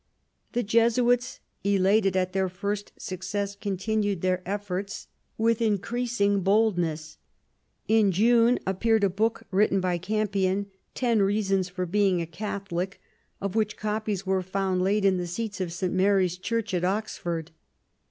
The Jesuits, elated at their first success, con tinued their efforts with increasing boldness. In 200 QUEEN ELIZABETH. June appeared a book written by Campion, Ten Reasons for being a Catholic, of which copies were found laid in the seats of St. Mary's Church at Oxford.